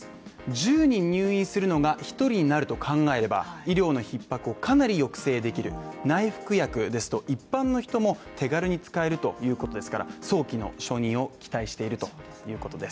１０人入院するのが１人になると考えれば、医療の逼迫をかなり抑制できる内服薬ですと、一般の人も手軽に使えるということですから、早期の承認を期待しているということです。